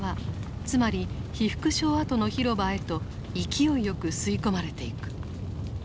つまり被服廠跡の広場へと勢いよく吸い込まれていく。